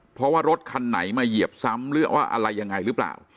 เพราะว่ารถคันไหนมาเหยียบซ้ำหรือว่าอะไรยังไงหรือเปล่า